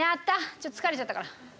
ちょっと疲れちゃったから。